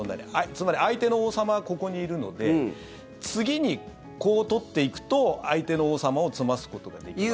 つまり、相手の王様はここにいるので次にこう取っていくと相手の王様を詰ますことができます。